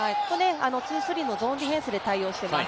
ツー・スリーのゾーンディフェンスで対応しています。